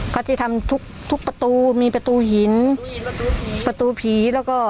เขาจะทำทุกทุกประตูมีประตูหินประตูหินประตูผีประตูผีแล้วก็